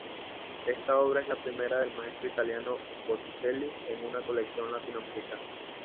Esta obra es la primera del maestro italiano Botticelli en una colección latinoamericana.